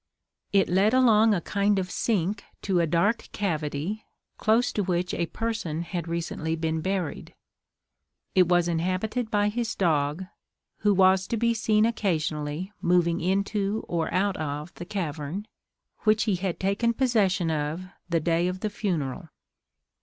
It led along a kind of sink to a dark cavity, close to which a person had recently been buried. It was inhabited by his dog, who was to be seen occasionally moving into or out of the cavern, which he had taken possession of the day of the funeral.